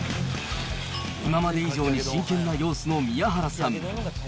今まで以上に真剣な様子の宮原さん。